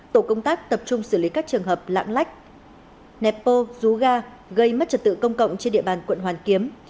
tổ công tác tập trung xử lý các trường hợp lãng lách nẹp bô rú ga gây mất trật tự công cộng trên địa bàn quận hoàn kiếm